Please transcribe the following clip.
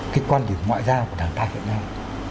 cái quan điểm ngoại giao của đảng ta hiện nay